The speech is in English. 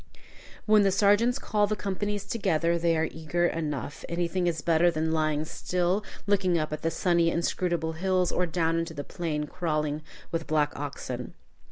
When the sergeants call the companies together, they are eager enough. Anything is better than lying still looking up at the sunny, inscrutable hills, or down into the plain crawling with black oxen.